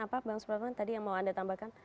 apa bang supratman tadi yang mau anda tambahkan